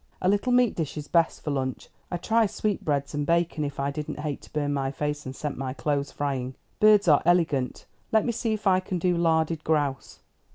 A little meat dish is best for lunch. I'd try sweetbreads and bacon, if I didn't hate to burn my face and scent my clothes, frying. Birds are elegant; let me see if I can do larded grouse.